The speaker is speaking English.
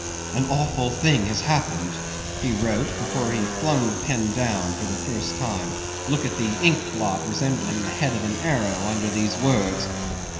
"An awful thing has happened," he wrote before he flung the pen down for the first time; look at the ink blot resembling the head of an arrow under these words.